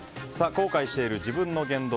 後悔している自分の言動